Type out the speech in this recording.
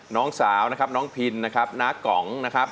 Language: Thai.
น้องสาวนะครับน้องพินนะครับน้ากองนะครับ